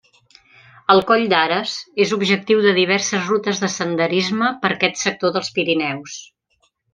El coll d'Ares és objectiu de diverses rutes de senderisme per aquest sector dels Pirineus.